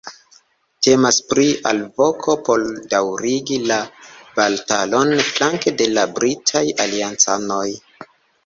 Temas pri alvoko por daŭrigi la batalon flanke de la britaj aliancanoj.